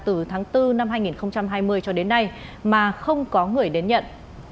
từ tháng bốn năm hai nghìn hai mươi cho đến nay mà không có người đến nhận